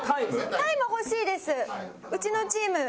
タイム欲しいですうちのチーム。